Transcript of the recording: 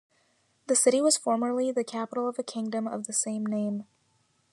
The city was formerly the capital of a kingdom of the same name.